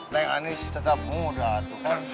nenek anis tetap muda tuh kan